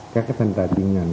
các cái thanh tra chuyên ngành